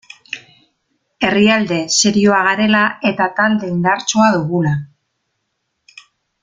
Herrialde serioa garela eta talde indartsua dugula.